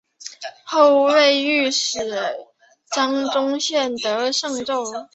后为御史张仲炘得知上奏。